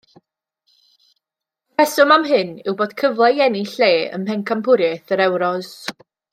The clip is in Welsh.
Y rheswm am hyn yw bod cyfle i ennill lle ym mhencampwriaeth yr Ewros.